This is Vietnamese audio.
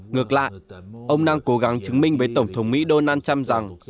ngược lại ông đang cố gắng chứng minh với tổng thống mỹ donald trump rằng